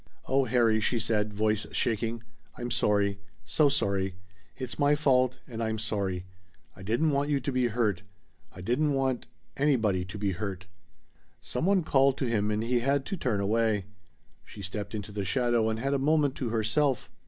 "Oh Harry," she said, voice shaking, "I'm sorry. So sorry. It's my fault and I'm sorry. I didn't want you to be hurt. I didn't want anybody to be hurt." Some one called to him and he had to turn away. She stepped into the shadow and had a moment to herself.